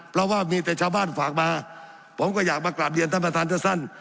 เพราะว่ามีแต่ชาวบ้านฝากมาผมก็อยากมากราบเรียนท่านประธานสั้น